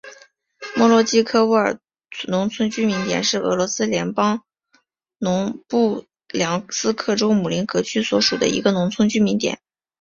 莫洛季科沃农村居民点是俄罗斯联邦布良斯克州姆格林区所属的一个农村居民点。